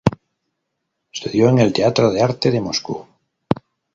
Estudió en el Teatro de Arte de Moscú.